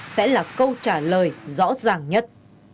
sẽ là câu trả lời rõ ràng nhất